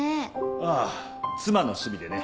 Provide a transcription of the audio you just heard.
ああ妻の趣味でね。